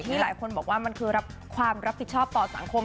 หลายคนบอกว่ามันคือรับความรับผิดชอบต่อสังคม